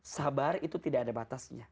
sabar itu tidak ada batasnya